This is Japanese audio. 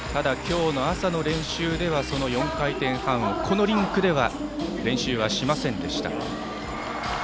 今日の朝の練習ではその４回転半をこのリンクでは練習はしませんでした。